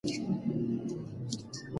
لاس پورته کړه او مخه ښه وکړه.